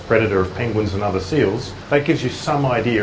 kerel antarabangsa ini memberikan anda ide yang berbeda